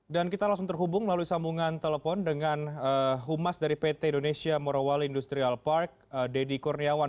dan kita langsung terhubung melalui sambungan telepon dengan humas dari pt indonesia morowali industrial park deddy kurniawan